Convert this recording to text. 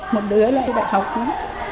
một đứa lại phải học nữa